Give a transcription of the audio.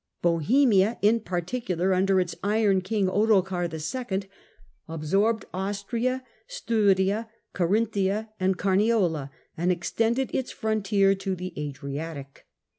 Bohemia, in particular, under its "iron King" Ottokar II., absorbed Austria, Styria, Carinthia and Carniola, and extended its frontier to the Adriatic.